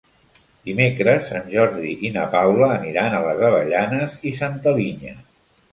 Dimecres en Jordi i na Paula aniran a les Avellanes i Santa Linya.